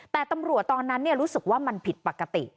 แต่ตำรวจตอนนั้นรู้สึกว่ามันผิดปกติ